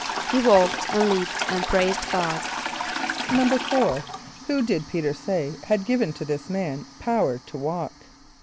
=He walked and leaped and praised God.= =4.= Who did P[=e]´t[~e]r say had given to this man power to walk?